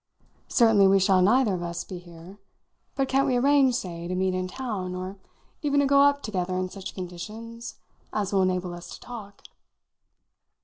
"Certainly we shall neither of us be here. But can't we arrange, say, to meet in town, or even to go up together in such conditions as will enable us to talk?"